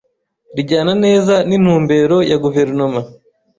rijyana neza n’intumbero ya guverinoma